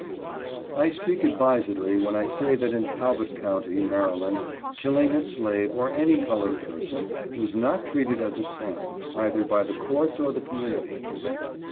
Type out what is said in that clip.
I speak advisedly when I say that in Talbot Co., Mary land, killing a slave, or any colored person, was not treated as a crime, either by the courts or the community.